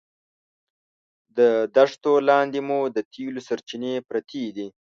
د دښتو لاندې مو د تېلو سرچینې پرتې دي.